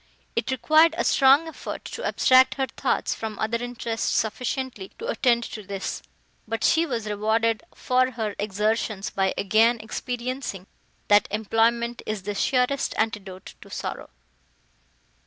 It required a strong effort to abstract her thoughts from other interests sufficiently to attend to this, but she was rewarded for her exertions by again experiencing, that employment is the surest antidote to sorrow.